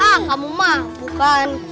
ah kamu mah bukan